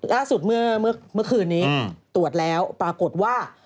ล่าสุดเมื่อคืนนี้ตรวจแล้วปรากฏว่า